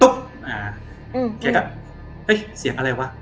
แกก็เฮ้ยเสียงอะไรวะ